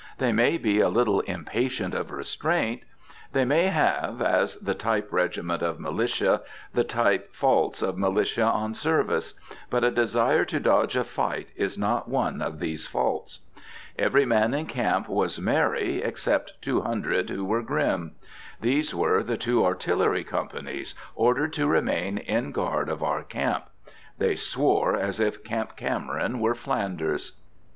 They may be a little impatient of restraint. They may have as the type regiment of militia the type faults of militia on service. But a desire to dodge a fight is not one of these faults. Every man in camp was merry, except two hundred who were grim. These were the two artillery companies, ordered to remain in guard of our camp. They swore as if Camp Cameron were Flanders.